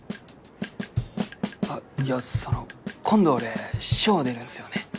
あっいやその今度俺ショー出るんすよね